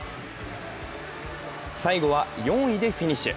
最後は４位でフィニッシュ。